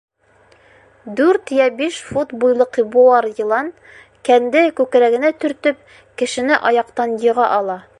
Дүрт йә биш фут буйлыҡ быуар йылан, кәнде күкрәгенә төртөп, кешене аяҡтан йыға ала.